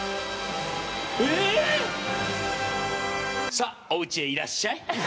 さあおうちへいらっしゃい。